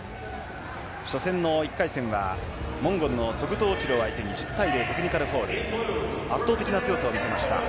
初戦の１回戦はモンゴルのツォグト・オチルを相手に１０対０テクニカルフォール圧倒的な強さを見せました。